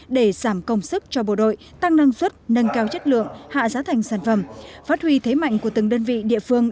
để giảm công sức cho bộ đội tăng năng suất nâng cao chất lượng hạ giá thành sản phẩm phát huy thế mạnh của từng đơn vị địa phương